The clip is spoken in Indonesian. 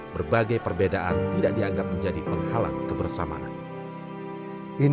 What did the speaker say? berbagai perbedaan tidak dianggap menjadi penghalang kebersamaan